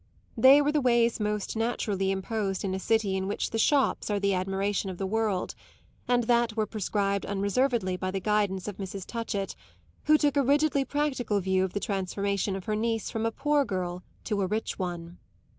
They were the ways most naturally imposed in a city in which the shops are the admiration of the world, and that were prescribed unreservedly by the guidance of Mrs. Touchett, who took a rigidly practical view of the transformation of her niece from a poor girl to a rich one.